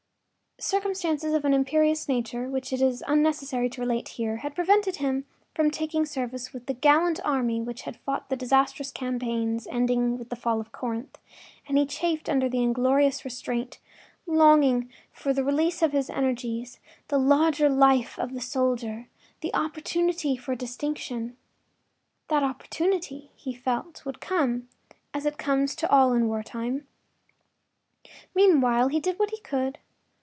Circumstances of an imperious nature, which it is unnecessary to relate here, had prevented him from taking service with that gallant army which had fought the disastrous campaigns ending with the fall of Corinth, and he chafed under the inglorious restraint, longing for the release of his energies, the larger life of the soldier, the opportunity for distinction. That opportunity, he felt, would come, as it comes to all in wartime. Meanwhile he did what he could.